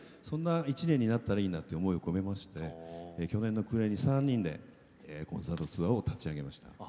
そんな１年になったらいいなという思いを込めまして去年の暮れに３人でコンサートツアーを立ち上げました。